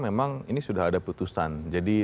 memang ini sudah ada putusan jadi